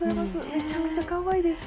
むちゃくちゃかわいいです。